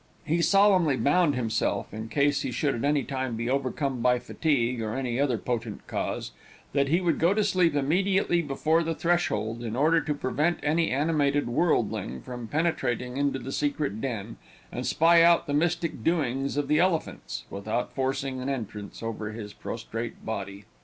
He solemnly bound himself, in case he should at any time be overcome by fatigue, or any other potent cause, that he would go to sleep immediately before the threshold, in order to prevent any animated worldling from penetrating into the secret den, and spy out the mystic doings of the elephants, without forcing an entrance over his prostrate body.